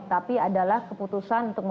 tapi adalah keputusan untuk